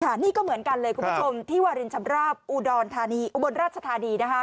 สถานีก็เหมือนกันเลยคุณผู้ชมที่วรรินชำราบอุบลราชธานี